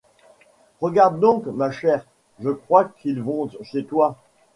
Regarde donc, ma chère, je crois qu’ils vont chez toi.